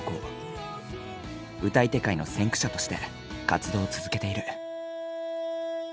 歌い手界の先駆者として活動を続けている。